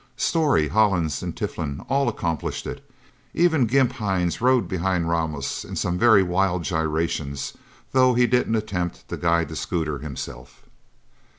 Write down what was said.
Storey, Hollins and Tiflin all accomplished it. Even Gimp Hines rode behind Ramos in some very wild gyrations, though he didn't attempt to guide the scooter, himself.